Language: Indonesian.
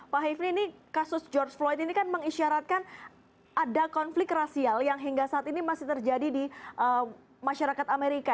pak hivni ini kasus george floyd ini kan mengisyaratkan ada konflik rasial yang hingga saat ini masih terjadi di masyarakat amerika